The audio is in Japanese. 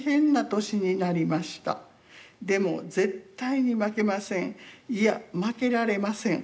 でも絶対に負けません。